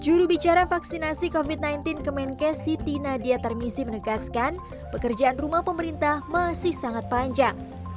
jurubicara vaksinasi covid sembilan belas ke menkesi tina diatarmisi menegaskan pekerjaan rumah pemerintah masih sangat panjang